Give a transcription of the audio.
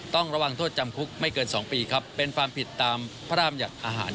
ต้องระวังโทษจำคุกไม่เกิน๒ปีครับเป็นความผิดตามพระราชบัญญัติอาหาร